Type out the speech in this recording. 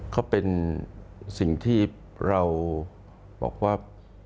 เขาเป็นสิ่งที่เราบอกว่า